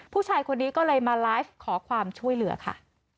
ผู้ชายคนนี้ก็เลยมาไลฟ์ขอความช่วยเหลือค่ะ